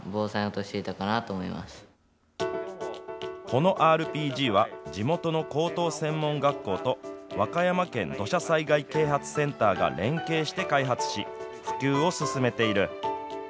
このＲＰＧは、地元の高等専門学校と和歌山県土砂災害啓発センターが連携して開発し、普及を進めている。